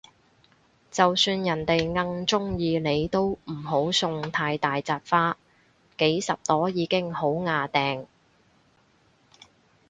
就算人哋哽鍾意你都唔好送太大紮花，幾十朵已經好椏掟